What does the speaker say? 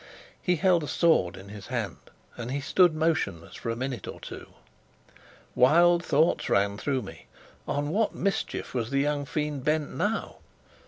He held a sword in his hand, and he stood motionless for a minute or two. Wild thoughts ran through me. On what mischief was the young fiend bent now?